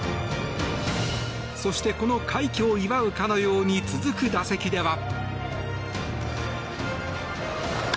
そしてこの快挙を祝うかのように続く打席では。